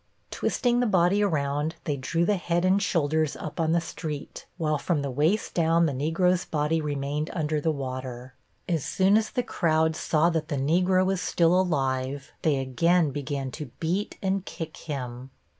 Twisting the body around they drew the head and shoulders up on the street, while from the waist down the Negro's body remained under the water. As soon as the crowd saw that the Negro was still alive they again began to beat and kick him.